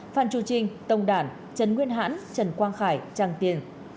phan chu trinh tông đản trần nguyên hãn trần quang khải trang tiên